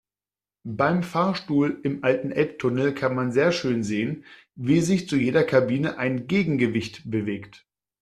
Beim Fahrstuhl im alten Elbtunnel kann man sehr schön sehen, wie sich zu jeder Kabine ein Gegengewicht bewegt.